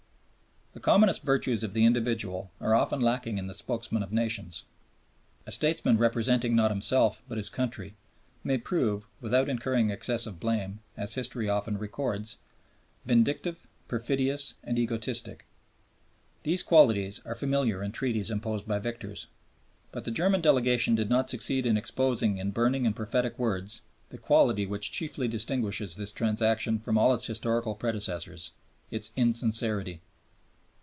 The commonest virtues of the individual are often lacking in the spokesmen of nations; a statesman representing not himself but his country may prove, without incurring excessive blame as history often records vindictive, perfidious, and egotistic. These qualities are familiar in treaties imposed by victors. But the German delegation did not succeed in exposing in burning and prophetic words the quality which chiefly distinguishes this transaction from all its historical predecessors its insincerity.